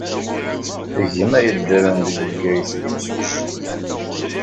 Gma yeddren deg Bgayet d imsujji.